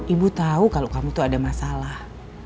ibu tahu kalau kamu tuh ada masalah